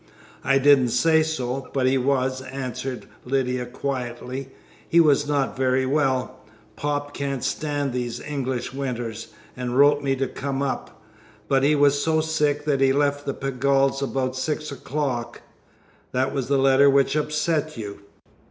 "I didn't say so, but he was," answered Lydia quietly. "He was not very well pop can't stand these English winters and wrote me to come up. But he was so sick that he left the Pegalls' about six o'clock." "That was the letter which upset you."